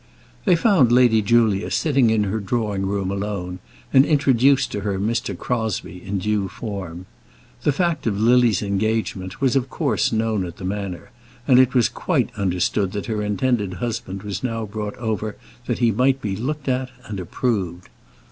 They found Lady Julia sitting in her drawing room alone, and introduced to her Mr. Crosbie in due form. The fact of Lily's engagement was of course known at the manor, and it was quite understood that her intended husband was now brought over that he might be looked at and approved.